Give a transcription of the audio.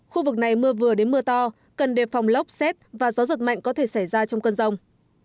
khu vực này mưa vừa đến mưa to cần đề phòng lốc xét và gió giật mạnh có thể xảy ra trong cơn rông